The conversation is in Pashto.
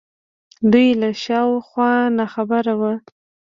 دوی له شا و خوا ناخبره وو